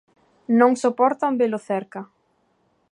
Non soportan velo cerca.